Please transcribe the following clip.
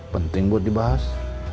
penting buat dibahas